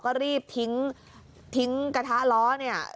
ก็รีบทิ้งทิ้งกระทะล้อเนี่ย